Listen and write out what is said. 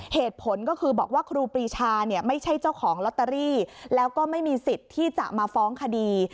เหตุผลก็คือบอกว่าครูปรีชาเนี่ยไม่ใช่เจ้าของลอตเตอรี่แล้วก็ไม่มีสิทธิ์ที่จะมาฟ้องคดี